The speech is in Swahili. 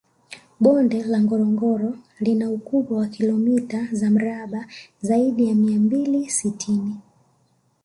Bonde la Ngorongoro lina ukubwa wa kilomita za mraba zaidi ya mia mbili sitini